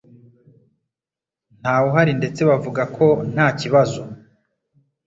ntawe uhari ndetse avuga ko nta kibazo